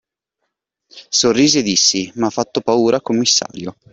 Sorrise e disse: M'ha fatto paura, commissario!